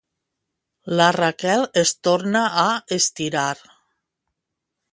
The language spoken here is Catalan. La Raquel es torna a estirar.